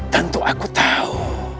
tentu aku tahu